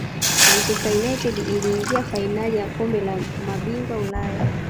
manchester united iliingia fainali ya kombe la mabingwa ulaya